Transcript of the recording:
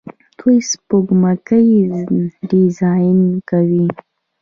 دوی سپوږمکۍ ډیزاین کوي.